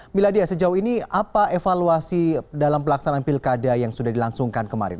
miladia sejauh ini apa evaluasi dalam pelaksanaan pilkada yang sudah dilangsungkan kemarin